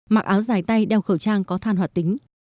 mặc áo dài tay đeo khẩu trang có than hoạt tính